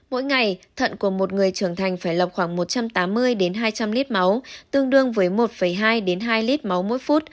mỗi ngày thận của một người trưởng thành phải lọc khoảng một trăm tám mươi hai trăm linh lít máu tương đương với một hai hai lít máu mỗi phút